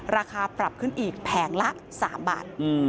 ราคาปรับขึ้นอีกแผงละ๓บาท